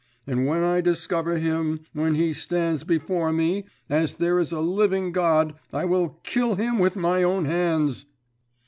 And when I discover him, when he stands before me, as there is a living God, I will kill him with my own hands!"